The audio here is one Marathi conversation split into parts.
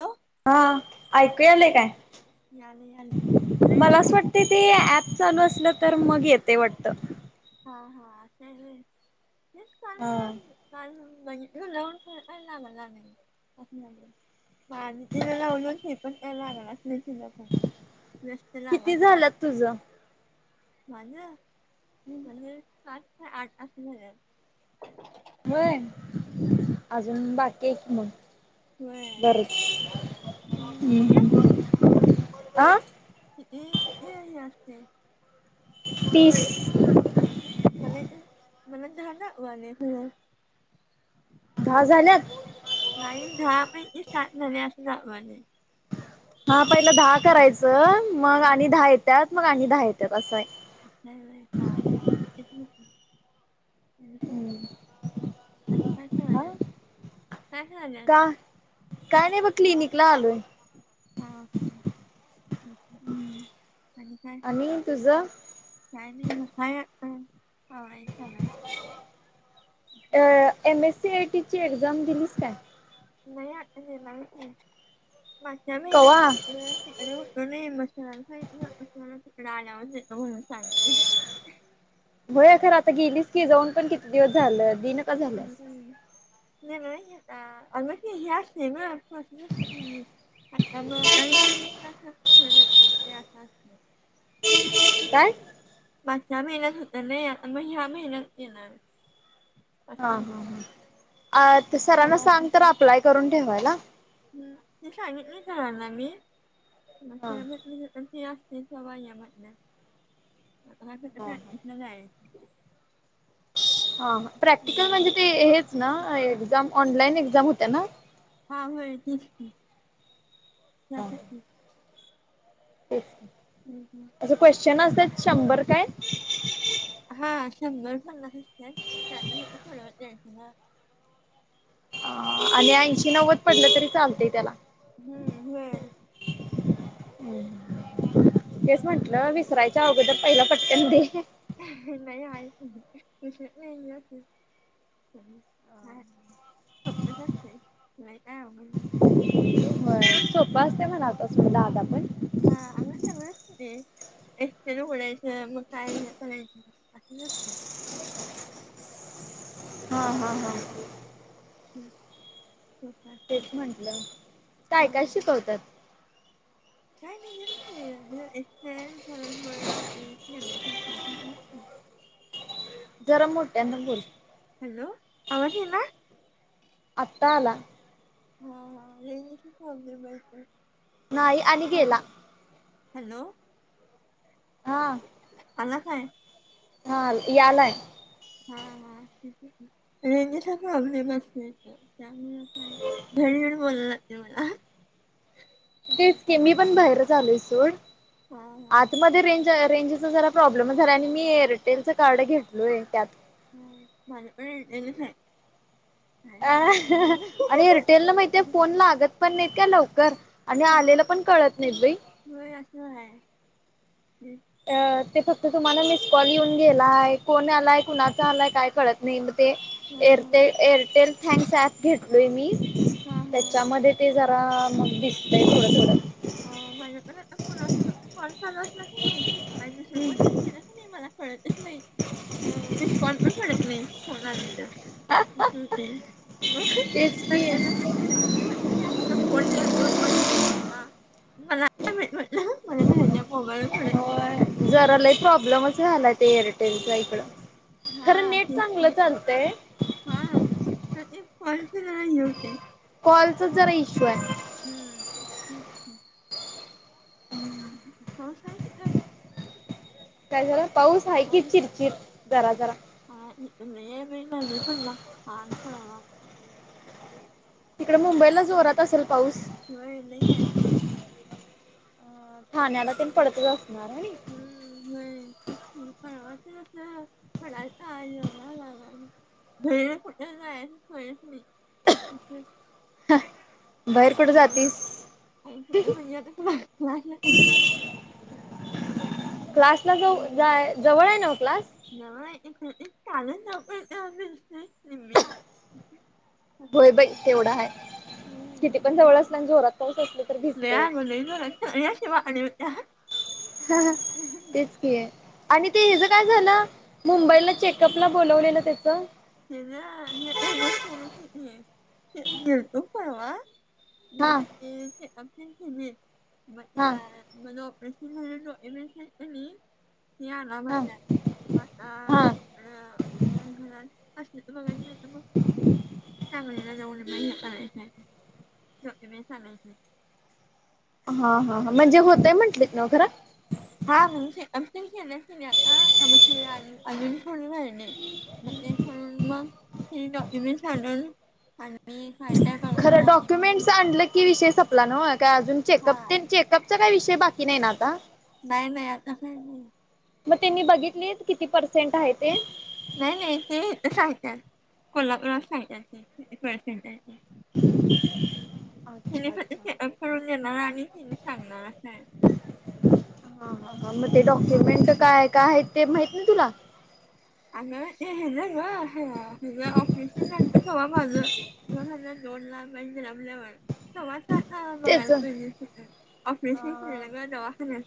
हॅलो हा ऐकू आले काय याले याले लय मला आले अस वाटते ते ऍप चालू असलं तर मग येते वाटत हा हा जस का म हा काल न ग मला माझ ते लावल नाही पण त्या लागणारच नाही ल प व्यस्त किती लावातात झालं [inaudible] माझं म्हणजे पाात आठ अस होय अजून बाकी आहे की म्हण होय हम्म कम् ठी आ हम् तीस म म्हण जना वले दहा झाल्यात? नाही दहा म्हहिे स्टार्ट झाले अस म्हज हा पहिलं दहा करायचं मग हा आणि दहा येतात मग आणि दहा येतात असं आहे अ हांत आणि कायच नाही हा म्ह का काय नाही ब क्लिनिकला आलोय हा हा आणि काय आणि तुझं? का हा इक नाही अ एम एस सी आयटी ची एक्झाम दिलीस का नाही आता देणारच नाही मागच्या महिन्यात कवा ख अ अड आणि मसा ख आल्यावर येत म्हणून सांग होय अखर आता गेलीस की जाऊन पण किती दिवस झालं दिना का झाल्यास? नाहीता मच नाही म आता म ते असंच नाही काय माग ह्या महिन्यात होत ना मग ह्या महिन्यात येणार हा असतं. हा ह ते सरांना तेव्हा सांग तर अप्लाय करून ठेवायला हम् तिस आमित नाही झाणार ना आम्ही म हा आम नाही ते असते स हा म्ह जा हा प्रॅक्टिकल हम्म. म्हणजे ते हेच ना एक्झाम ऑनलाईन एक्झाम होत्या ना हा होय तचकी ज असं क्वेश्चन असतात शंर काय हा शंभर सलाचतय सोड आणि ऐंशी नव्वद पडलं तरी चालतंय त्याला हम्म होय. तेस म्हंटलं विसरायचं अवघं तर पहिलं पटक्यान ते नाही आय क नाही खपसचला काय अघल सोपं असते म्हणा आता सुधा आता पण हा आमस् एकट र उघडायचं मग कायच करायचं असं नसते हा हा हा हम्म तेच म्हंटलं काय काय हं. शिकवतात काय नाही येत हे झारचभळी लाते खेळणेसाठीली जरां मोठ्यांद गर आम्हाज ना आत्ता आला हा हा लईले सु ख अदी बाईक नाही आणि गेला हॅलो हा आला काय हा यालाय हा हाठी रेनी त आप बस घरी घण बोलाला लागते मला तेच के मी पण बाहेर झालोय सोड हा हा आतमध्येध्ये रेंज ट्रेंजचा जरा प्रॉब्लेम झाला आणि मी एअरटेलचं कार्ड घेतलोय त्यात हम मला का अ आणि एअरटेलला माहििते फोन लागत पण नाहीत का लवकर आणि आलेला पण कळत नाही भाई होय असं आहे. अ ते फक्त तुम्हाला मिस कॉल येऊन गेला आहे कोण आलाय कुणाचा आलाय काय कळत नाही हा एरटेल थ ऍप घेतलोय मी हा हा त्याच्यामध्ये मग दिसतय थोडं थोडं हो बाहिर फलस फल फलस लाख आणि कोत केलं का नाही मला कळतच नाही ह मी स्कॉन पण पडत नाही फोन आलेलं होती तेच की. म्हटलं आणि आणि फोन येतो मला म्हट मला भ मोबाईल पडत नाही जरालाही प्रॉब्लेमच झालाय ते एअरटेलचा इकडं. हा खरं नेट तेच चांगलं की चालतंय. हा कॉलचे ज नाही होते. कॉलचा जरा इश्यू आहे. हम्म हम्म हम्म. हो. काय झालं पाऊस आहे की चिरचिर जरा जरा ह प पडला आन पडवा तिकडे मुंबईला जोरात असेल पाऊस. ह नाही नाहीे- अ ठाण्याला तन पडत का हम्म. [unintelligible] [unintelligible] [unintelligible] बाहेर कुठे जातीस. बाहेर कुठे म्हणजे [unintelligible] क्लासला नाही ज जवळ आहे ना क्लास. [unintelligible] होय असं बाई तेवढा आहे किती पण जवळ असल्या आणि जोरात पाऊस असलं तर लह भिजतयच. म ल रा शिवाणी [unintelligible] तेच क आहे आणि ते हचं काय झालं मुंबईला चेकअपला बोलवलेलं ते हे ना हे गेलतो परवा [unintelligible] [unintelligible] हा [unintelligible] हा त आला हा म्हटल्या मता हा घरात असले तर बघायच माहिती मग ज म चालायच ज चालायच. हा हा म्हणजे हो हा. [unintelligible] घण्या आता अजून फोड घ मग ते करून म हे डॉक्युमेंटून आणि खरं डॉक्युमेंटस आणलं की विषय संपला नव का अजून चेकअप तेन चेकअप काही विषय बाकी नाही ना आता. नाही नाही आता नाही नाही मग त्यांनी बघितली किती पर्सेंट आहे ते नाही नाही ते सहितात कोल्हापूरात सहितात ते किती पर्सेंट आहे. [unintelligible] हिने अच्छा अच्छा करून देणार आणि हेिनी सांगणार असं आहे. हा ह ह मग ते डॉक्युमेंट काय काय आहे ते माहित नाय तुला आ हे ग ऑफिस सव माझ दोन हजार दोन ला म्हणजे रमल्यावर सम तेच बघायलाहि ऑपरेशन खेळलं म दवाखान.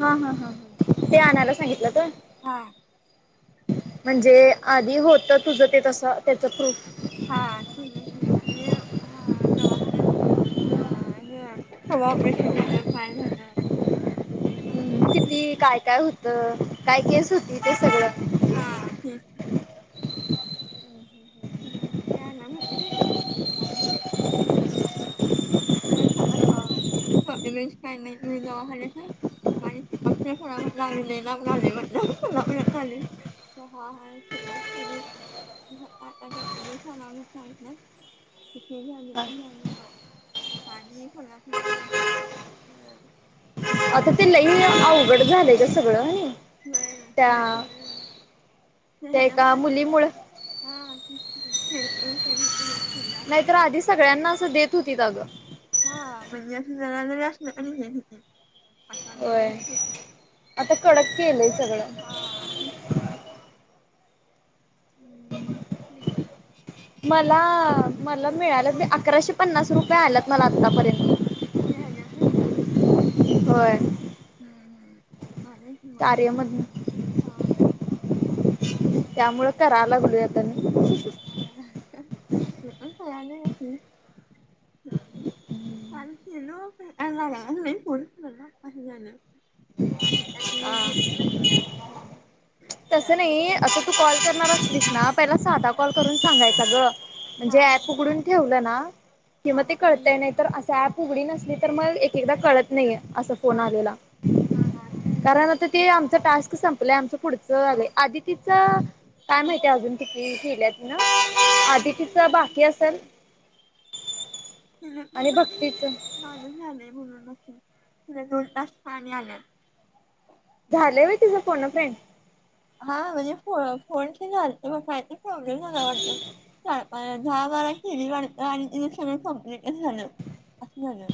हा हा हा हा ते आणायला सांगितलं का. हा म्हणजे आधी होत तुझं ते तसं त्याच प्रूफ. हा त त हा दवाखान्यात अ क ऑपरेशन झालं पाय झालं. किती काय काय होतं काय केस होती ते हा, हम्म. [unintelligible] सगळं [unintelligible] [unintelligible] [unintelligible] [unintelligible] पाणी खुला खुला येऊला तिथं. आता ते लई अवघड झालंयच सगळं आणि [unintelligible] ते त्या हेजा एका मुळे मुलीमुळ हा. [unintelligible] नाहीतर आधी सगळ्यांना असं देत होती जागा. हा [unintelligible] दोन होय आता कड [unintelligible] [inaudible] मला मला मिळालं अकराशे पन्नास रुपये आल्यात मला आतापर्यंत. होय. आलाय की कार्य मगं मधन हा ना. त्यामुळे कराय लागली आता मी. [unintelligible] [unintelligible] हा [unintelligible] तसं नाही आता तू कॉल करणार असतीस ना पहिला सादा कॉल करून सांगायचा गं. म्हणजे ऐप उघडून ठेवलं ना कि म ते कळतं नाहीतर असं ऐप उगडी नसली तर मग एक एकदा कळत नाही आहे. असं फोन आलेला कारण आता ते आमचा टास्क संपलंय आमचा पुढ चा आलाय, आदितीच काय माहिती आहे अजून किती केल्यात ना अदितीच्या बाकी असेल [unintelligible] आणि म्हटली भक्तीच माझं झालंय म्हणून. [unintelligible] झाले होय तिझा फोन अ फ्रेंड. हा म्हणजे फो फोनचा झालय, कायतरी प्रॉब्लेम झाला वाटतं [unintelligible] [unintelligible] आणि तिजा सगळं कंप्लीटच झालं असं झालं.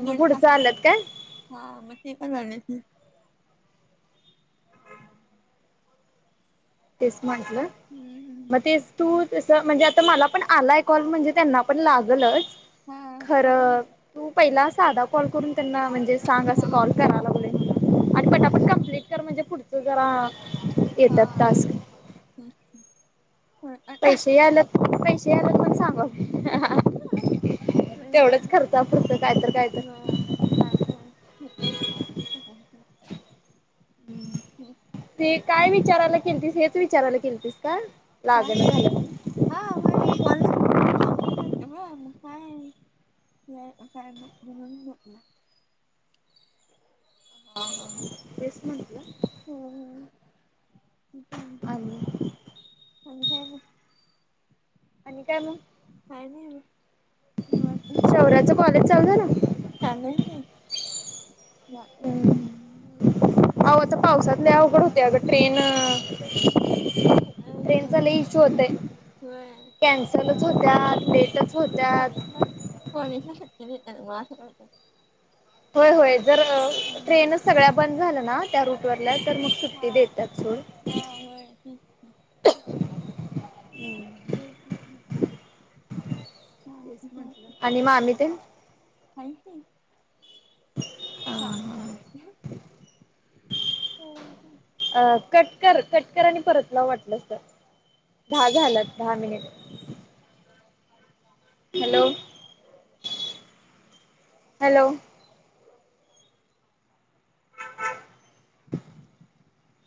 मग पुढचं आलंत काय [unintelligible] [unintelligible] तेच म्हटलं म हम्म तेच तू तस चं म्हणजे आता मला पण आलाय कॉल म्हणजे त्यांना पण लागलच हा खर तू पहिला सादा कॉल करून त्यांना म्हणजे सांग असं कॉल कराय लागलोय मी आणि फटाफट कमप्लीट कर म्हणजे पुढचं जरा येतात. होय टास्क हम्म हम्म. पैशे यायलात पैशे यायलात पण सांगव की होय काय तर होय [unintelligible] होय होय. [unintelligible] [unintelligible] हम्म, ते काय विचारायला केलतिस हेच विचारायला केलतिस का? काय लागना झालं हा होय. कॉलच लागत मनव्हता म काय ते हाय असं हाय म म्हणून झोपला. हा हा तेच म्हटलं हो हो बिचारी. आणि अ काय म आणि काय मंग काय नाही मग निवांत बसले शौर्याचं कॉलेज चालू झालं काही नाय काय नाही हम्म अहो आता पावसात लय अवघड होतंय अग ह [unintelligible] [unintelligible] [inaudible] [inaudible] [inaudible] ट्रेनचा लय इश्यू होतंय होय कॅन्सलच होत्यात लेटच होत्यात कॉलेज ला कॉलेज ल सूट [unintelligible] [inaudible] घेतात मग असं करतात होय होय जर हम्म ट्रेनच सगळ्या बंद झालं ना त्या रूट वल्या तर मग सुट्टी हा देतात सोड हा होय तेच तेच ना तेच म्हटलं आणि मग आम्ही ते चाल चाले [inaudible] [unintelligible] [unintelligible] अ कटकर कटकर आणि परतलाव वाटल्यास तर दहा झालात दहा मिनिट हॅलो हॅलो